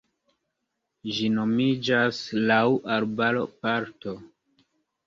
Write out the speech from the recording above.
Ĝi nomiĝas laŭ arbaro-parto.